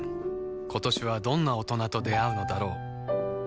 今年はどんな大人と出会うのだろう